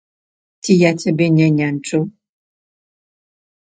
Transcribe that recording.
Ці я цябе не няньчыў?